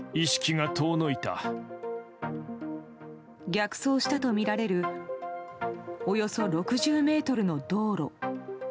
逆走したとみられるおよそ６０ｍの道路。